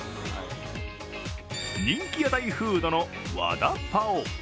人気屋台フードのワダパオ。